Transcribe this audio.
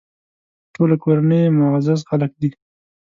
ټوله کورنۍ یې معزز خلک دي.